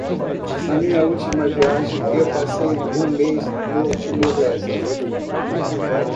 Na minha última viagem eu passei um mês no Timor-Leste.